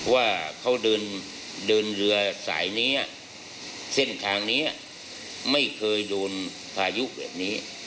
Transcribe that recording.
ว่าเขาเดินเดินเรือสายนี้เส้นทางนี้ไม่เคยโดนพายุแบบนี้